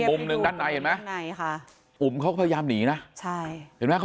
มุมนึงด้านในเห็นไหมกะกุลเขาพยายามหนีนะเห็นว่าเค้า